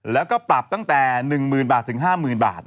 แล้วก็ปรับตั้งแต่๑หมื่นบาทถึง๕หมื่นบาท